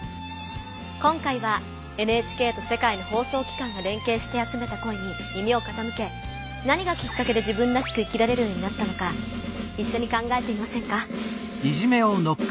今回はＮＨＫと世界の放送機関が連携してあつめた「声」に耳をかたむけ何がきっかけで自分らしく生きられるようになったのかいっしょに考えてみませんか？